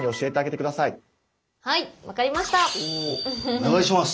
お願いします。